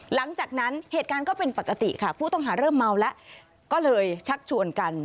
หลังจากนั้นเหตุการณ์ก็เป็นปกติค่ะผู้ต้องหาเริ่มเมาแล้วก็เลยชักชวนกัน